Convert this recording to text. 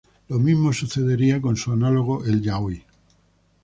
Lo mismo sucedería con su análogo, el "yaoi".